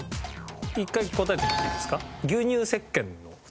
１回答えてみていいですか？